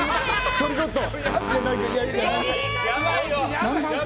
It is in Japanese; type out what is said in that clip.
トリトット。